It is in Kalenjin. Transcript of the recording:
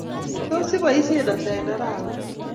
tos iboisien ata eng arawe?